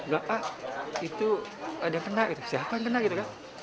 gak ah itu ada kena gitu siapa yang kena gitu kan